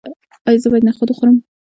ایا زه باید نخود وخورم؟